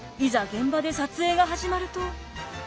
現場で撮影が始まると。